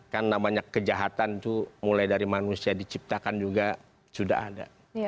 karena namanya kejahatan itu mulai dari manusia diciptakan juga sudah ada